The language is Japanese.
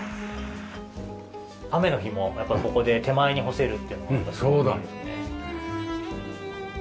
雨の日もやっぱりここで手前に干せるっていうのがすごくいいですね。